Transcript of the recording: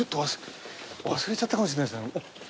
忘れちゃったかもしれないですね。